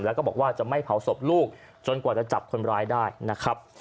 แล้วก็บอกว่าจะไม่เผาศพลูกจนกว่าจะจับคนร้ายได้นะครับ